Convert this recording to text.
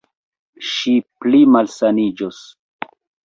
Ŝi pli malsaniĝos.